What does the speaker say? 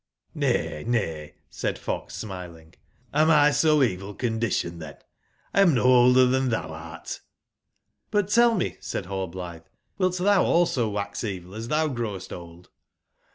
"j^'*J^ay, nay/' said fox, smiling, ''am X so evil/conditioned tben ? 1 am no older tban tbou art" j^'^But tell me/' said Hallblitbe, ''wilt tbou also wax evilas tbou growestold?"